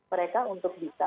mereka untuk bisa